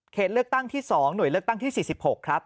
เลือกตั้งที่๒หน่วยเลือกตั้งที่๔๖ครับ